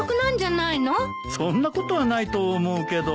そんなことはないと思うけど。